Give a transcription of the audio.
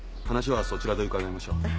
話はそちらで伺いましょう。